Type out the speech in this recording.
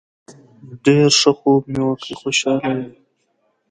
ډیر ښه خوب مې وکړ خوشحاله یم